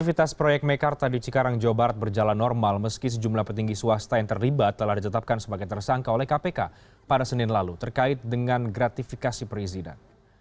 aktivitas proyek mekarta di cikarang jawa barat berjalan normal meski sejumlah petinggi swasta yang terlibat telah ditetapkan sebagai tersangka oleh kpk pada senin lalu terkait dengan gratifikasi perizinan